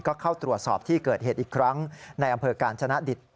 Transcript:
ก็เข้าตรวจสอบที่เกิดเหตุอีกครั้งในอำเภอการชนะดิต